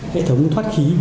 hệ thống thoát khí